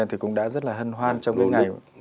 thì cũng đã rất là hân hoan trong cái ngày